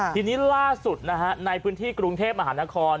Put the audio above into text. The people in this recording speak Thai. ทีนี้ล่าสุดในพื้นที่กรุงเทพมหานคร